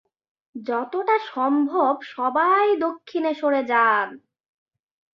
যতোটা সম্ভব সবাই দক্ষিণে সরে যান!